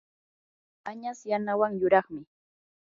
añas yanawan yuraqmi.